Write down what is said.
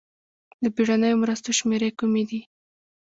د بېړنیو مرستو شمېرې کومې دي؟